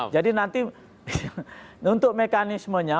jadi nanti untuk mekanismenya